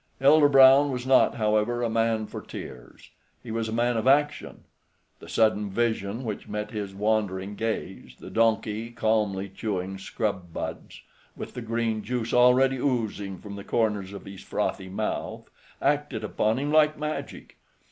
Elder Brown was not, however, a man for tears. He was a man of action. The sudden vision which met his wandering gaze, the donkey calmly chewing scrub buds, with the green juice already oozing from the corners of his frothy mouth, acted upon him like magic.